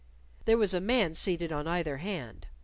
There was a man seated on either hand.